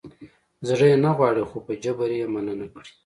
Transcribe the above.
زړه یې نه غواړي خو په جبر یې منع نه کړي.